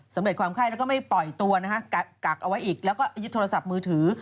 ความไข้แล้วก็ไม่ปล่อยตัวนะฮะกักเอาไว้อีกแล้วก็ยึดโทรศัพท์มือถือ